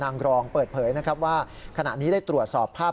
นางรองเปิดเผยนะครับว่าขณะนี้ได้ตรวจสอบภาพ